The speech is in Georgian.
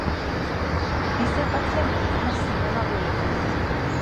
დისერტაცია მიუძღვნა სიმონა ვეილის.